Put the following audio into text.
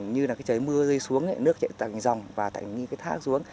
như là cái trời mưa rơi xuống nước chảy dòng và thành như cái thác xuống